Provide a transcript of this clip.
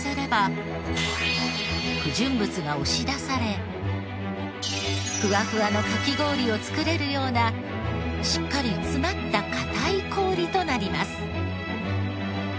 逆にゆっくりふわふわのかき氷を作れるようなしっかり詰まった硬い氷となります。